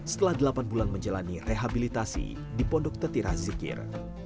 setelah delapan bulan menjalani rehabilitasi di pondok tetira zikir